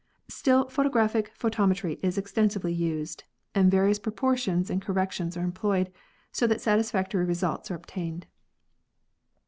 Still photographic pho tometry is extensively used and various proportions and corrections are employed so that satisfactory results are obtained.